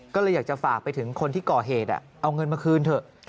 ก็เลยอยากจะฝากไปถึงคนที่ก่อเหตุเอาเงินมาคืนเถอะ